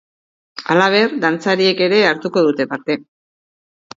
Halaber, dantzariek ere hartuko dute parte.